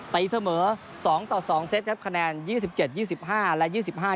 แต่เสมอ๒๒เซตคะแนน๒๗๒๕และ๒๕๒๒